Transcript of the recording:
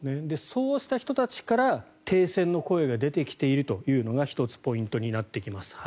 そうした人たちから停戦の声が出てきているというのが１つポイントになってきます。